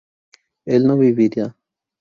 ¿él no vivirá?